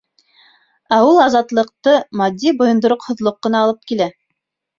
Ә ул азатлыҡты матди бойондороҡһоҙлоҡ ҡына алып килә.